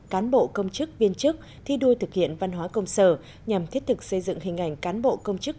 cán bộ công chức viên chức thi đua thực hiện văn hóa công sở nhằm thiết thực xây dựng hình ảnh cán bộ công chức